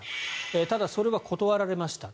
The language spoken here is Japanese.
ただ、それは断られました。